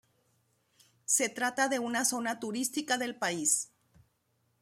Se trata de una zona turística del país.